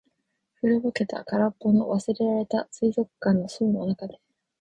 古ぼけた、空っぽの、忘れられた水族館の槽の中で。